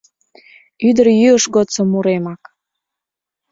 — Ӱдырйӱыш годсо муремак...